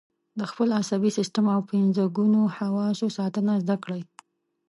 د خپل عصبي سیستم او پنځه ګونو حواسو ساتنه زده کړئ.